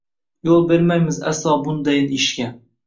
Yo’l bermaymiz aslo bundayin ishga!